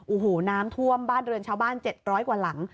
โอ้โหน้ำท่วมบ้านเรือนชาวบ้าน๗๐๐กว่าหลัง